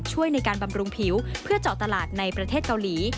ช่วยในการบำรุงผิวเพื่อเจาะตลาดในประเทศเกาหลี